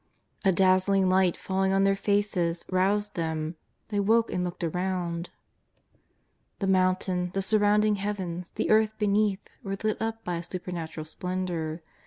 A dazzling light falling on their faces roused them. They woke and looked around. The Mount, the sur JESUS OF NAZARETH. 261 roiiuding heavens, the earth beneath were lit up by a supernatural splendour.